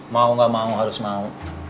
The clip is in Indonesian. mau gak mau harus mau